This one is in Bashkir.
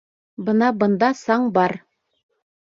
Бына бында саң бар.